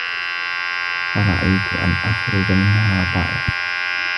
فَرَأَيْت أَنْ أَخْرُجَ مِنْهَا طَائِعًا